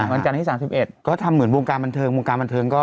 วันจันทร์ที่๓๑ก็ทำเหมือนวงการบันเทิงวงการบันเทิงก็